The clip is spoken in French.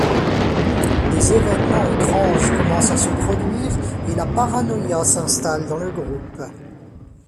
Des événements étranges commencent à se produire et la paranoïa s'installe dans le groupe.